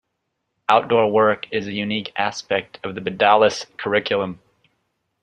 Outdoor Work is a unique aspect of the Bedales curriculum.